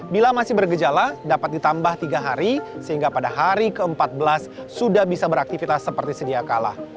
bila masih bergejala dapat ditambah tiga hari sehingga pada hari ke empat belas sudah bisa beraktivitas seperti sedia kalah